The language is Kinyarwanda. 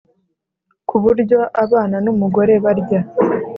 ku buryo abana n’umugore barya